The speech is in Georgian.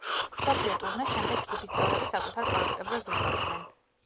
მსოფლიო ტურნეს შემდეგ ჯგუფის წევრები საკუთარ პროექტებზე ზრუნავდნენ.